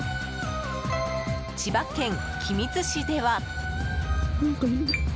千葉県君津市では。